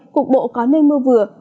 cục bộ có nơi mưa vừa